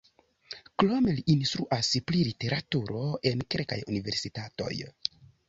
Krome li instruas pri literaturo en kelkaj universitatoj.